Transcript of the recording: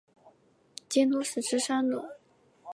监督是芝山努。